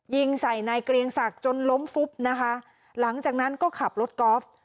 ยิงใส่นายเกรียงศักดิ์จนล้มฟุบนะคะหลังจากนั้นก็ขับรถกอล์ฟ